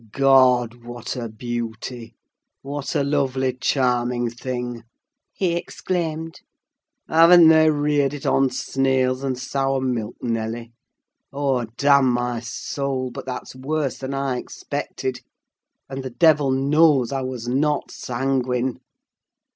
"God! what a beauty! what a lovely, charming thing!" he exclaimed. "Hav'n't they reared it on snails and sour milk, Nelly? Oh, damn my soul! but that's worse than I expected—and the devil knows I was not sanguine!"